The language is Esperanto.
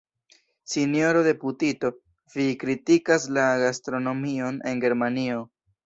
Sinjoro deputito, vi kritikas la gastronomion en Germanio.